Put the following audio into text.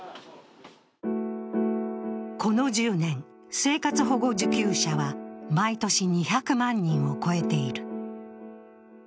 この１０年、生活保護受給者は毎年２００万人を超えている。